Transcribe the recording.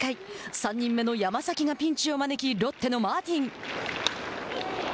３人目の山崎がピンチを招きロッテのマーティン。